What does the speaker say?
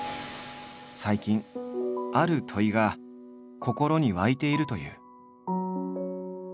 最近ある問いが心に湧いているという。